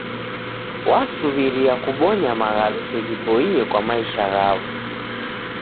W'asuw'iria kubonya maghaluso ghiboie kwa maisha ghaw'o.